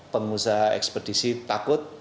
pengusaha ekspedisi takut